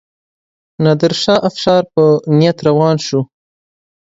نادرشاه افشار په نیت روان شو.